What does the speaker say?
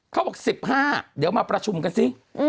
เขาบอก๑๕เดี๋ยวมาประชุมกันสิ